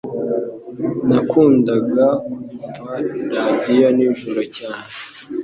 Nakundaga kumva radio nijoro cyane.